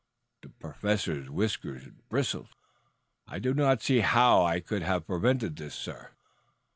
The Professor's whiskers bristled. "I do not see how I could have prevented this, sir."